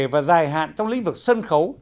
và dài hạn trong lĩnh vực sân khấu